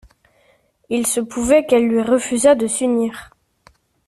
Il se pouvait qu'elle lui refusât de s'unir.